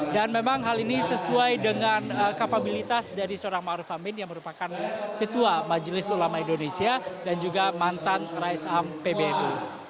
dan memang hal ini sesuai dengan kapabilitas dari seorang ma'ruf amin yang merupakan ketua majelis ulama indonesia dan juga mantan raisam pbbu